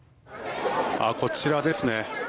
こちらですね。